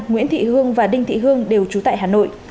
nguyễn thị hương và đinh thị hương đều trú tại hà nội